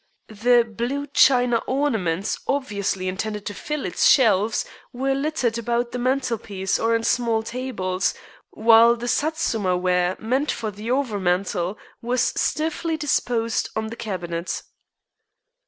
The blue china ornaments obviously intended to fill its shelves were littered about the mantelpiece or on small tables, while the Satsuma ware meant for the over mantel was stiffly disposed on the cabinet.